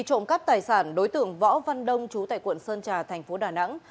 khi trộm cắp tài sản đối tượng võ văn đông trú tại quận sơn trà tp đà nẵng